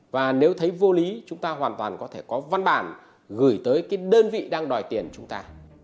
và nếu thấy vô lý chúng ta hoàn toàn có thể có văn bản gửi tới cái đơn vị đang đòi tiền chúng ta